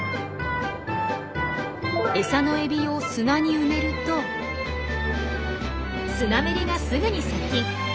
餌のエビを砂に埋めるとスナメリがすぐに接近。